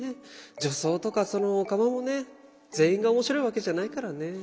女装とかオカマもね全員が面白いわけじゃないからね。